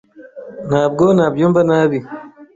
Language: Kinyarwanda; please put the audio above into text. Ntabwo nabyumva nabi.